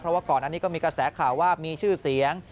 เพราะว่าก่อนอันนี้ก็มีกระแสข่าวว่ามีชื่อเสียง